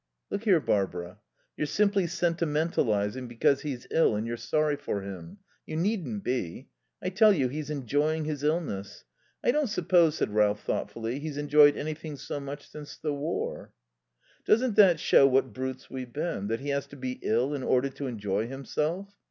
"Look here, Barbara; you're simply sentimentalizing because he's ill and you're sorry for him.... You needn't be. I tell you, he's enjoying his illness. ... I don't suppose," said Ralph thoughtfully, "he's enjoyed anything so much since the war." "Doesn't that show what brutes we've been, that he has to be ill in order to enjoy himself?"